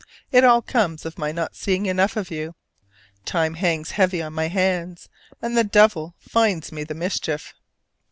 it all comes of my not seeing enough of you. Time hangs heavy on my hands, and the Devil finds me the mischief!